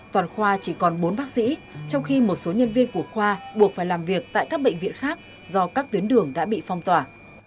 toàn khoa chỉ còn bốn bác sĩ trong khi một số nhân viên của khoa buộc phải làm việc tại các bệnh viện khác do các tuyến đường đã bị phong tỏa